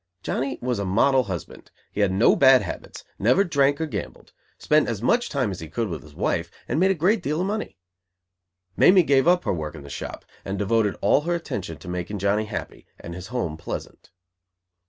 Johnny was a model husband. He had no bad habits, never drank or gambled, spent as much time as he could with his wife, and made a great deal of money. Mamie gave up her work in the shop, and devoted all her attention to making Johnny happy and his home pleasant.